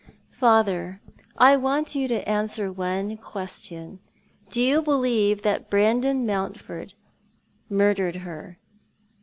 " Father, I want you to answer one question. Do you believe that Brandon Mountford murdered her?"